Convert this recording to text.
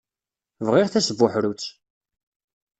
Bɣiɣ tasbuḥrut.